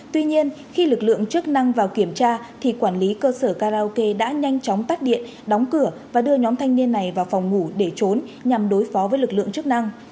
tuy nhiên khi lực lượng chức năng vào kiểm tra thì quản lý cơ sở karaoke đã nhanh chóng tắt điện đóng cửa và đưa nhóm thanh niên này vào phòng ngủ để trốn nhằm đối phó với lực lượng chức năng